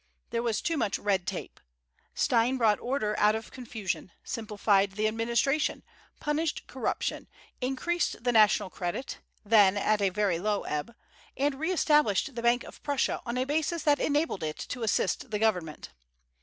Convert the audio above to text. There was too much "red tape." Stein brought order out of confusion, simplified the administration, punished corruption, increased the national credit, then at a very low ebb, and re established the bank of Prussia on a basis that enabled it to assist the government.